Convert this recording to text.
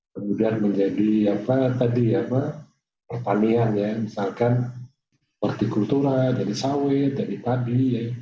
kemudian menjadi pertanian misalkan horticultura jadi sawit jadi padi